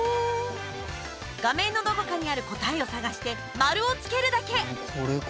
画面のどこかにある答えを探して丸をつけるだけ。